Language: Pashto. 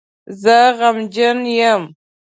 زه غمجن یم